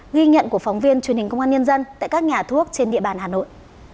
ghi nhận của phóng viên truyền hình công an nhân dân tại các nhà thuốc trên địa bàn hà nội